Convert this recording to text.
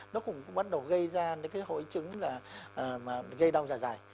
nó cũng bắt đầu gây ra những cái hội chứng là gây đau giả giải